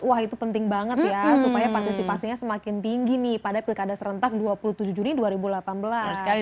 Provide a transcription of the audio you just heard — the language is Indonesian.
wah itu penting banget ya supaya partisipasinya semakin tinggi nih pada pilkada serentak dua puluh tujuh juni dua ribu delapan belas